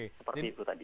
seperti itu tadi